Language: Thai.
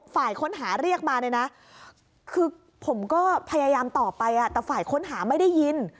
ฝ่ายค้นหาเรียกมาเนี่ยนะคือผมก็พยายามต่อไปแต่ฝ่ายค้นหาไม่ได้ยิน